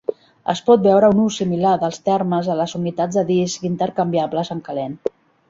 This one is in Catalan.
Es pot veure un ús similar dels termes a les unitats de disc intercanviables en calent.